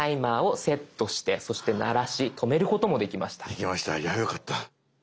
できましたいやよかった。